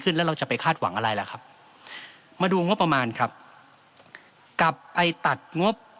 แล้วเราจะไปคาดหวังอะไรล่ะครับมาดูงบประมาณครับกลับไปตัดงบ